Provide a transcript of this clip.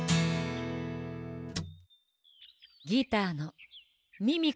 ギターのミミコよ！